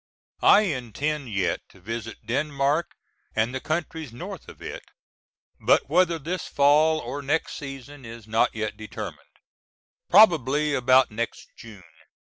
I intend yet to visit Denmark, and the countries north of it, but whether this fall or next season is not yet determined. Probably about next June.